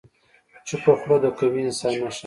چپه خوله، د قوي انسان نښه ده.